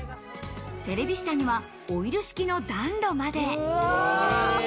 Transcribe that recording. テレビ下にはオイル式の暖炉まで。